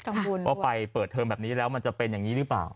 ว่าไปเปิดเทอมแบบนี้แล้วมันจะเป็นอย่างนี้หรือเปล่า